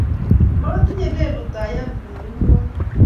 Matinye lelut ayan yo imwoe